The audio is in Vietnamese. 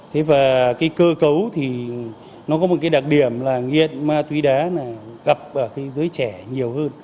thế và cái cơ cấu thì nó có một cái đặc điểm là nghiện ma túy đá là gặp ở cái giới trẻ nhiều hơn